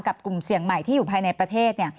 กลุ่มเสี่ยงใหม่ที่อยู่ภายในประเทศ